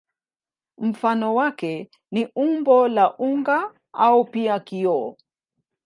Mfano wake ni umbo la unga au pia kioo.